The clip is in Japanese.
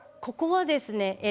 ここはですね